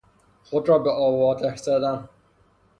خود را به آب و آتش زدن